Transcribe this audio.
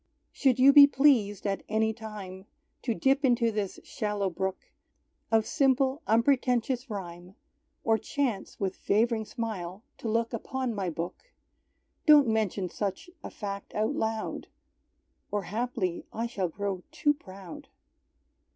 Should You be pleased, at any time, To dip into this shallow brook Of simple, unpretentious rhyme, Or chance with fav'ring smile to look Upon my book; Don't mention such a fact out loud, Or haply I shall grow too proud!